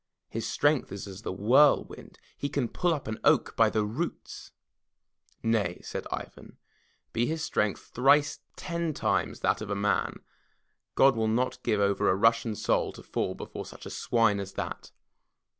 His strength is as the whirlwind. He can pull up an oak by the roots !*' Nay," said Ivan. Be his strength thrice ten times that of a man, God will not give over a Russian soul to fall before such a swine as that.